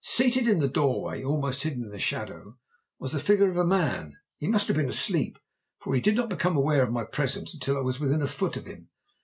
Seated in the doorway, almost hidden in the shadow, was the figure of a man. He must have been asleep, for he did not become aware of my presence until I was within a foot of him.